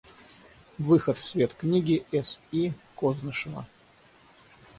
Выход в свет книги С. И. Кознышева.